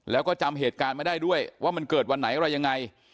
แล้วก็จำเหตุการณ์ไม่ได้ด้วยว่ามันเกิดวันไหนอะไรยังไง